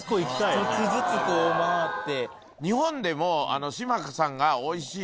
１つずつこう回って。